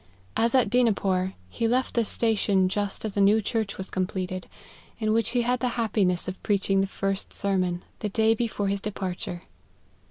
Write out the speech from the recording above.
As at Dinapore, he left this station just as a new church was completed, in which he had the hap piness of preaching the first sermon, the day be fore his departure.